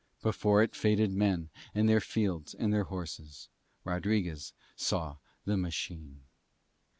Before it faded men and their fields and their houses. Rodriguez saw the machine.